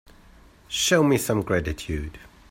Show me some gratitude.